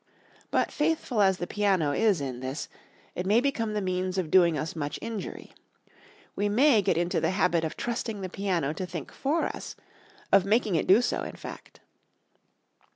But faithful as the piano is in this, it may become the means of doing us much injury. We may get into the habit of trusting the piano to think for us, of making it do so, in fact.